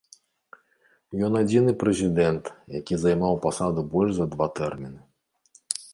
Ён адзіны прэзідэнт, які займаў пасаду больш за два тэрміны.